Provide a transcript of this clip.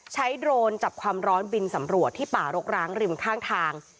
โดรนจับความร้อนบินสำรวจที่ป่ารกร้างริมข้างทาง